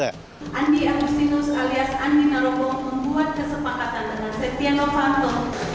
andi agustinus alias andi narogong membuat kesepakatan dengan setia novanto